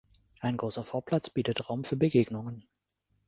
Ein grosser Vorplatz bietet Raum für Begegnungen.